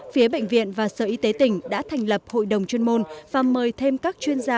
phía bệnh viện và sở y tế tỉnh đã thành lập hội đồng chuyên môn và mời thêm các chuyên gia